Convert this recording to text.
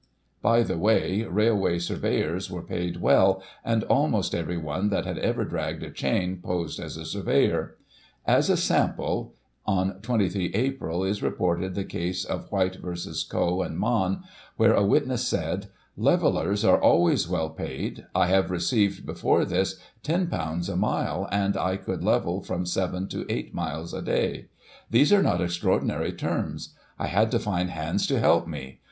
By the way. Railway surveyors were paid well, and almost everyone that had ever dragged a chain posed as a surveyor. As a sample — on 23 Ap. is reported the case of White v. Koe and Maun — where a witness said " Levellers are always well paid I have received, before this ;^io a mile, and I could level from seven to eight miles a day. These are not extra ordinary terms. I had to find hands to help me.